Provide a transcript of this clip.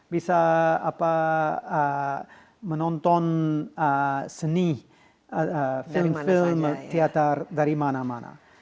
bisa menonton seni film film teater dari mana mana